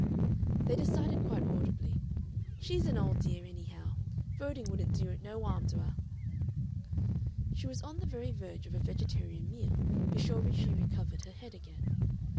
They decided quite audibly, "She's an Old Dear, anyhow. Voting wouldn't do no 'arm to 'er." She was on the very verge of a vegetarian meal before she recovered her head again.